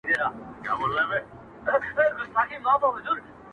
لا تر څو به دا سړې دا اوږدې شپې وي!!